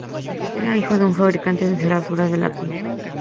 Era el hijo de un fabricante de cerraduras de latón.